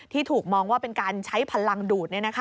ถูกมองว่าเป็นการใช้พลังดูด